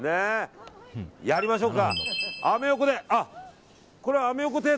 やりましょうか。